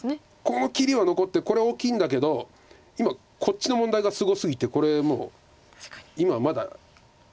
この切りは残ってこれは大きいんだけど今こっちの問題がすごすぎてこれもう今まだまだ。